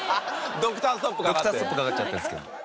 ドクターストップかかっちゃったんです。